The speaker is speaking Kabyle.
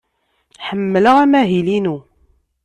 Ḥemmleɣ amahil-inu.